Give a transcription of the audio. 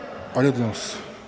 おめでとうございます。